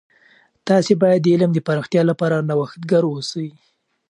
تاسې باید د علم د پراختیا لپاره نوښتګر اوسئ.